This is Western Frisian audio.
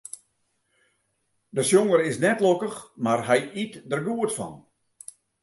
De sjonger is net lokkich, mar hy yt der goed fan.